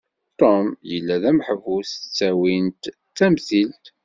Tom yella d ameḥbus ttawin d tamtilt.